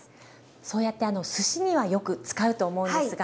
そうやってすしにはよく使うと思うんですが。